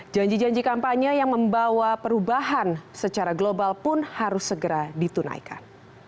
janji janji kampanye yang membawa perubahan secara global pun harus segera ditunaikan